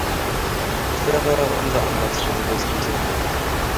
Das wäre unser Ansatz für die Diskussion.